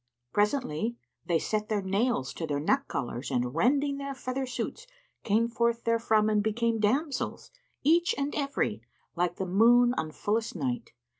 Presently, they set their nails to their neck collars and, rending their feather suits, came forth therefrom and became damsels, each and every, like the moon on fullest night.